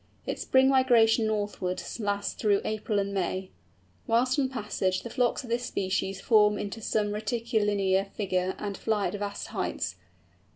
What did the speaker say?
Its spring migration northwards lasts through April and May. Whilst on passage the flocks of this species form into some rectilinear figure and fly at vast heights.